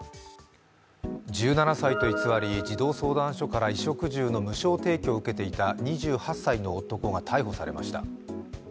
１７歳と偽り児童相談所から衣食住の無償提供を受けていた２８歳の男が逮捕されました。